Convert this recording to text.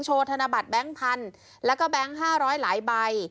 ธนบัตรแบงค์พันธุ์แล้วก็แบงค์๕๐๐หลายใบ